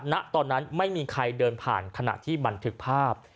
ณตอนนั้นไม่มีใครเดินผ่านขณะที่บันทึกภาพ